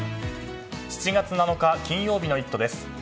７月７日、金曜日の「イット！」です。